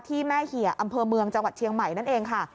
แม่เหี่ยอำเภอเมืองจังหวัดเชียงใหม่นั่นเองค่ะ